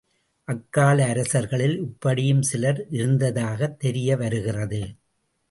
அக்கால அரசர்களில் இப்படியும் சிலர் இருந்ததாகத் தெரியவருகிறது.